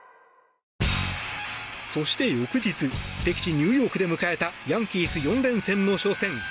そして翌日敵地ニューヨークで迎えたヤンキース４連戦の初戦。